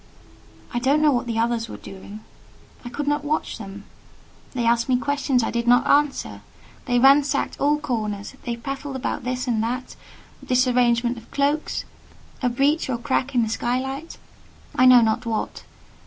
I don't know what the others were doing; I could not watch them: they asked me questions I did not answer; they ransacked all corners; they prattled about this and that disarrangement of cloaks, a breach or crack in the sky light—I know not what.